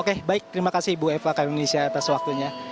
oke baik terima kasih ibu eva kayu indonesia atas waktunya